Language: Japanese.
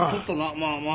まあまあ。